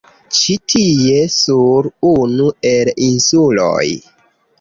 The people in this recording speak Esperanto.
Ĉi tie sur unu el insuloj